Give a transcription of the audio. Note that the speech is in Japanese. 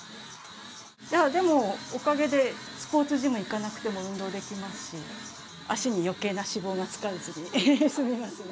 いやでもおかげでスポーツジム行かなくても運動できますし足に余計な脂肪がつかずに済みますね。